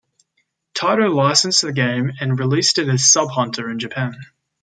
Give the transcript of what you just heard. Taito licensed the game and released it as Sub Hunter in Japan.